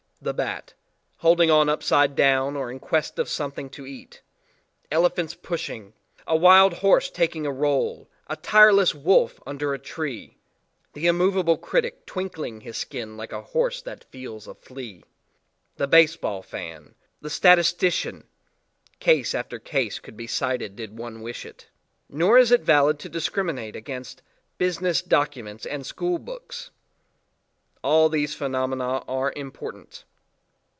The bat, holding on upside down or in quest of something to eat, elephants pushing, a wild horse taking a roll, a tireless wolf under a tree, the immovable critic twinkling his skin like a horse that feels a flea, the base ball fan, the statistician case after case could be cited did one wish it; nor is it valid to discriminate against "business documents and school books"; all these phenomena are important.